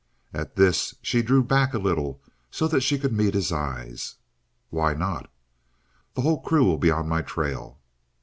At this she drew back a little so that she could meet his eyes. "Why not?" "The whole crew will be on my trail."